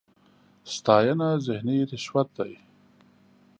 ستاېنه ذهني رشوت دی.